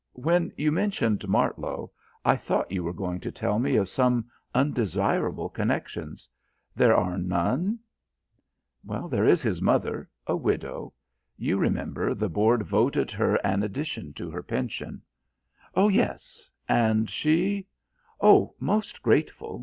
When you mentioned Martlow, I thought you were going to tell me of some undesirable connections. There are none?" "There is his mother. A widow. You remember the Board voted her an addition to her pension." "Oh, yes. And she?" "Oh, most grateful.